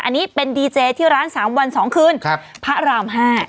อันนี้เป็นดีเจที่ร้าน๓วัน๒คืนครับพระราม๕